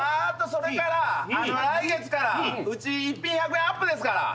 それから来月からうち一品１００円アップですから。